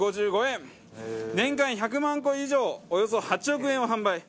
年間１００万個以上およそ８億円を販売。